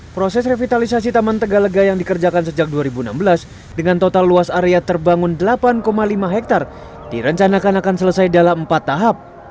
proses revitalisasi taman tegalega yang dikerjakan sejak dua ribu enam belas dengan total luas area terbangun delapan lima hektare direncanakan akan selesai dalam empat tahap